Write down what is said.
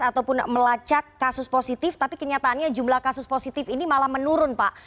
ataupun melacak kasus positif tapi kenyataannya jumlah kasus positif ini malah menurun pak